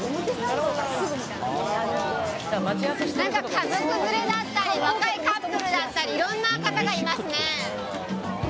家族連れだったり若いカップルだったりいろんな方がいますね。